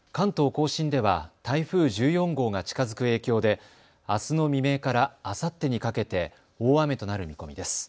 甲信では台風１４号が近づく影響であすの未明からあさってにかけて大雨となる見込みです。